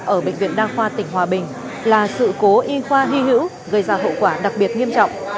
ở bệnh viện đa khoa tỉnh hòa bình là sự cố y khoa hy hữu gây ra hậu quả đặc biệt nghiêm trọng